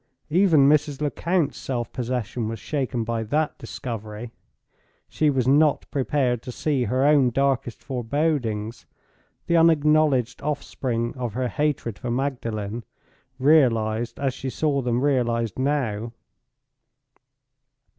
Even Mrs. Lecount's self possession was shaken by that discovery. She was not prepared to see her own darkest forebodings—the unacknowledged offspring of her hatred for Magdalen—realized as she saw them realized now.